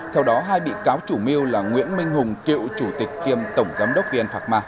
theo đó hai bị cáo chủ mưu là nguyễn minh hùng cựu chủ tịch kiêm tổng giám đốc vn phạc ma